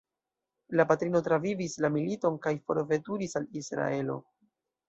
La patrino travivis la militon kaj forveturis al Israelo.